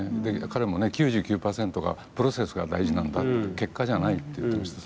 彼もね、９９％がプロセスが大事なんだって結果じゃないって言ってました。